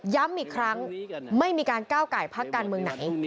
ย้ำอีกครั้งไม่มีการก้าวไก่พักการเมืองไหน